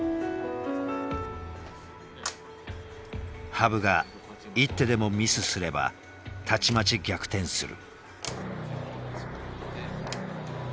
羽生が一手でもミスすればたちまち逆転する。